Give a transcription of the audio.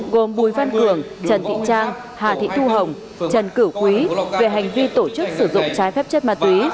gồm bùi văn cường trần thị trang hà thị thu hồng trần cửu quý về hành vi tổ chức sử dụng trái phép chất ma túy